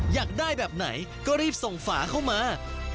อยากได้แบบไหนก็รีบส่งฝาเข้ามา